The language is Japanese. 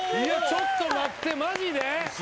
ちょっと待ってマジで！？